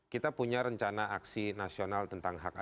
kita punya rencana aksi nasional tentang hak asasi